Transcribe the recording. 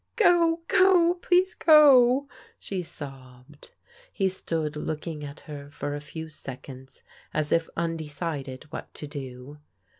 " Go ! go ! please go !" she sobbed. He stood looking at her for a few seconds as if unde cided what to do.